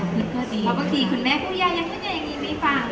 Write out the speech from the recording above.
เพราะบางทีคุณแม่ผู้ยาย๊ะเหลวยังงี้ไม่ฟัง